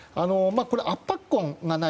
圧迫痕がない